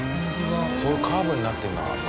そういうカーブになってるんだ。